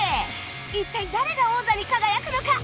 一体誰が王座に輝くのか？